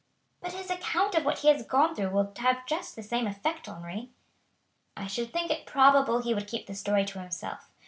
"But his account of what he has gone through will have just the same effect, Henri." "I should think it probable he would keep the story to himself.